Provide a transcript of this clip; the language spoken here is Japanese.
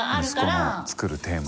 息子のつくるテーマに。